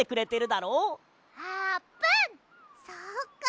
そっか！